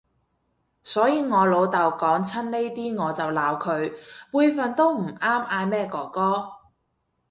所以我老豆講親呢啲我就鬧佢，輩份都唔啱嗌咩哥哥